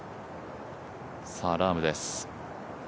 ラームです。